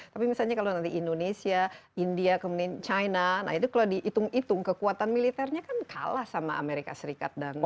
tapi misalnya kalau nanti indonesia india kemudian china nah itu kalau dihitung hitung kekuatan militernya kan kalah sama amerika serikat dan korea